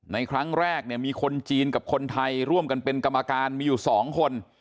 ในครั้งแรกเนี่ยมีคนจีนกับคนไทยร่วมกันเป็นกรรมการมีอยู่๒คน